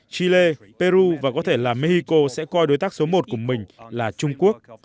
chile peru và có thể là mexico sẽ coi đối tác số một của mình là trung quốc